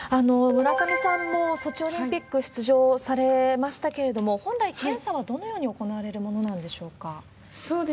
村上さんもソチオリンピック出場されましたけれども、本来、検査はどのように行われるものなんでしょうか？